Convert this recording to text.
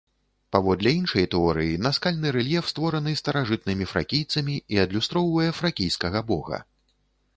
Паводле іншай тэорыі, наскальны рэльеф створаны старажытнымі фракійцамі і адлюстроўвае фракійскага бога.